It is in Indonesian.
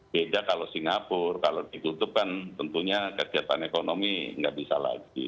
beda kalau singapura kalau ditutupkan tentunya kegiatan ekonomi tidak bisa lagi